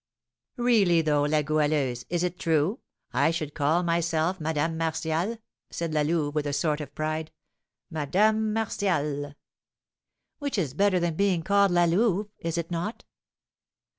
'" "Really though, La Goualeuse, is it true? I should call myself Madame Martial," said La Louve, with a sort of pride, "Madame Martial!" "Which is better than being called La Louve, is it not?"